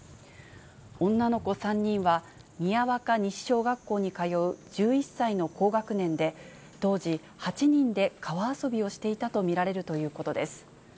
女の子３人は、宮若西小学校に通う１１歳の高学年で、当時８人で川遊びをしていたと見られるということです。